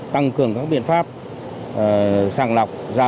tăng cường các biện pháp sàng lọc ra